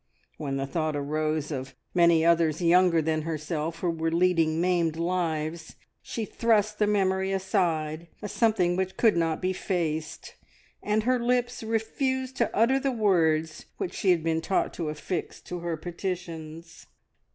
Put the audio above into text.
When the thought arose of many others younger than herself who were leading maimed lives, she thrust the memory aside as something which could not be faced, and her lips refused to utter the words which she had been taught to affix to her petitions.